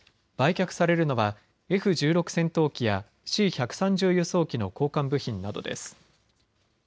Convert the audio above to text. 売却されるのはＦ１６戦闘機やＣ１３０輸送機の交換部品などです。